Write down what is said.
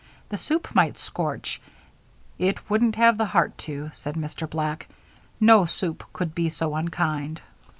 The soup might scorch " "It wouldn't have the heart to," said Mr. Black. "No soup could be so unkind."